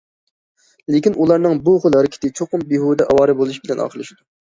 لېكىن، ئۇلارنىڭ بۇ خىل ھەرىكىتى چوقۇم بىھۇدە ئاۋارە بولۇش بىلەن ئاخىرلىشىدۇ.